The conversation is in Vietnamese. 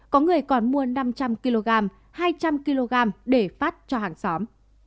có người còn mua năm trăm linh kg hai trăm linh kg để phát cho hàng xóm